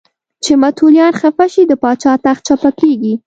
چې متولیان خفه شي د پاچا تخت چپه کېږي.